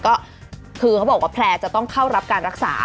ก็คือเขาบอกว่าแพลร์จะต้องเข้ารับการรักษา